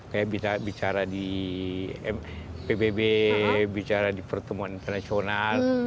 kayak bisa bicara di pbb bicara di pertemuan internasional